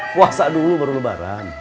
puasa dulu baru lebaran